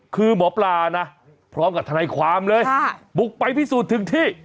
คือหมอปลานะพร้อมกับทนายความเลยบุกไปพิสูจน์ถึงที่